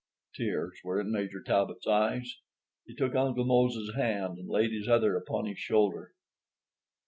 Tears were in Major Talbot's eyes. He took Uncle Mose's hand and laid his other upon his shoulder.